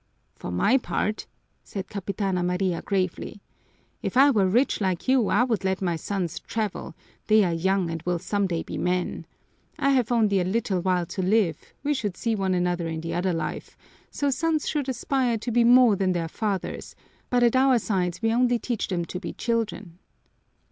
"For my part," said Capitana Maria gravely, "if I were rich like you I would let my sons travel; they are young and will some day be men. I have only a little while to live, we should see one another in the other life, so sons should aspire to be more than their fathers, but at our sides we only teach them to be children."